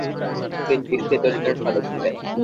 তিনি চিশ্তিয়া তরিকার সাধক ছিলেন।